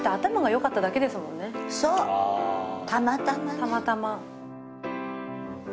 たまたまね。